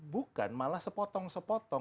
bukan malah sepotong sepotong